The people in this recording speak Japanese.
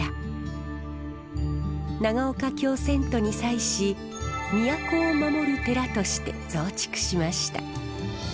長岡京遷都に際し都を守る寺として増築しました。